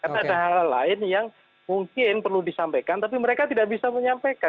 karena ada hal lain yang mungkin perlu disampaikan tapi mereka tidak bisa menyampaikan